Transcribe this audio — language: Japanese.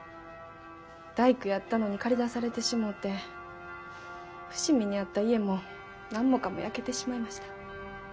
大工やったのに駆り出されてしもて伏見にあった家も何もかも焼けてしまいました。